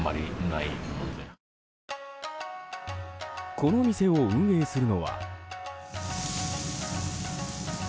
この店を運営するのは。